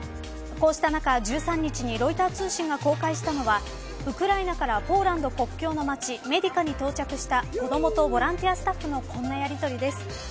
こうした中、１３日にロイター通信が公開したのはウクライナからポーランド国境の町メディカに到着した子どもとボランティアスタッフのこんなやりとりです。